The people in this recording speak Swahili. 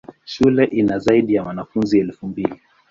Shule ina zaidi ya wanafunzi elfu mbili.